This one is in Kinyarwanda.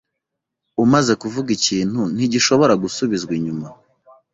Umaze kuvuga ikintu, ntigishobora gusubizwa inyuma.